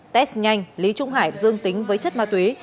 test nhanh lý trung hải dương tính với chất ma túy